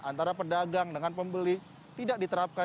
antara pedagang dengan pembeli tidak diterapkan